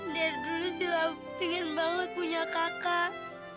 dari dulu sih pengen banget punya kakak